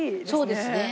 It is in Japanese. そうですね。